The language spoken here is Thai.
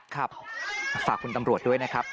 ครับฝากคุณตำรวจด้วยนะครับ